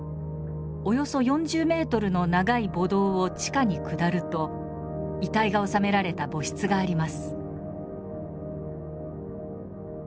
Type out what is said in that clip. およそ４０メートルの長い墓道を地下に下ると遺体が納められた墓室があります。